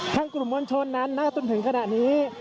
คุณภูริพัฒน์ครับ